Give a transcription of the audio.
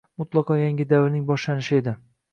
mutlaqo yangi davrning boshlanishi edi.